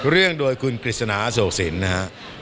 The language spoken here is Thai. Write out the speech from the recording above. เรื่องโดยคุณคิสณาโศกศิลป์